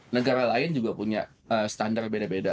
negara lain juga punya standar beda beda